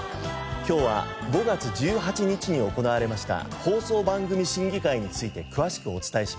今日は５月１８日に行われました放送番組審議会について詳しくお伝えします。